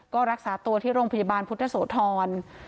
ก็รักษาตัวที่โรงพยาบาลพุทธโสธร